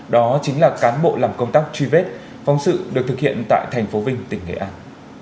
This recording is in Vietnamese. đó chính là cán bộ làm công tác truy vết phóng sự được thực hiện tại thành phố vinh tỉnh nghệ an